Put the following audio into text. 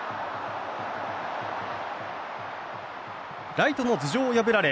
ライトの頭上を破られ